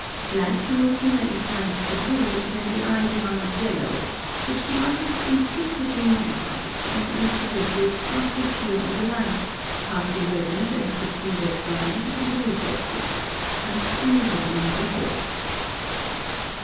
Black no sooner inclines to blue than the eye demands yellow, which the artist instinctively modifies, and introduces partly pure in the light, partly reddened and subdued as brown, in the reflexes, thus enlivening the whole.